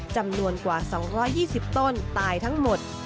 จำนวนกว่า๒๒๐ต้นตายทั้งหมด